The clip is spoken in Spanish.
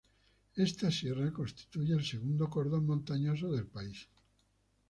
Esta sierra constituye el segundo cordón montañoso del país.